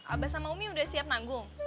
abah sama umi udah siap nanggung